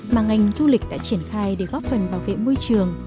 mà ngành du lịch đã triển khai để góp phần bảo vệ môi trường